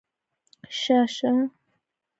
شه شه